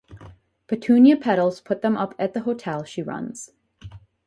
Petunia Petals puts them up at the hotel she runs.